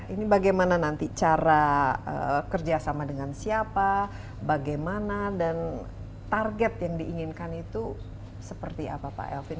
ini bagaimana nanti cara kerjasama dengan siapa bagaimana dan target yang diinginkan itu seperti apa pak elvin